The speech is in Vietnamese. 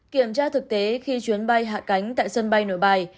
kiểm tra thực tế khi chuyến bay hạ cánh tại sân bay nội bài